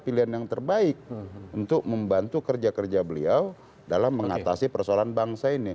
pilihan yang terbaik untuk membantu kerja kerja beliau dalam mengatasi persoalan bangsa ini